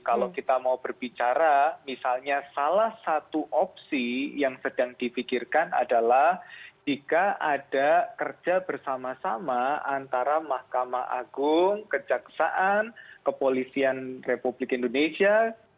kalau kita mau berbicara misalnya salah satu opsi yang sedang difikirkan adalah jika ada kerja bersama sama antara mahkamah agung kejaksaan kepolisian republik indonesia